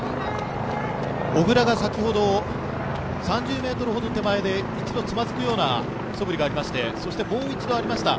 小椋が先ほど３０ｍほど手前で一度つまずくような素振りがありまして、そしてもう一度ありました